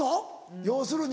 要するに。